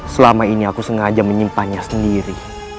selama ini aku sengaja menyimpannya sendiri